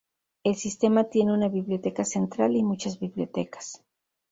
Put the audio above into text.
El sistema tiene una biblioteca central y muchas bibliotecas.